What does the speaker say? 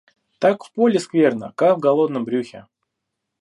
Так в поле скверно, как в голодном брюхе.